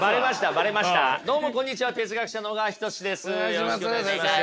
よろしくお願いします。